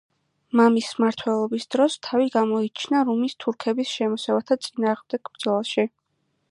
მამის მმართველობის დროს თავი გამოიჩინა რუმის თურქების შემოსევათა წინააღმდეგ ბრძოლაში.